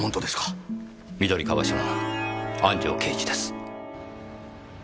緑川署の安城刑事です。